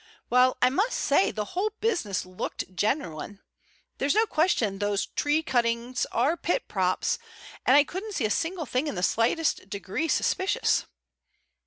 Well, I must say the whole business looked genuine. There's no question those tree cuttings are pit props, and I couldn't see a single thing in the slightest degree suspicious."